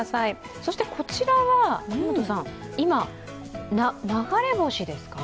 そしてこちらは、流れ星ですか？